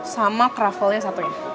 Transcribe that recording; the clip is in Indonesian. sama krafelnya satunya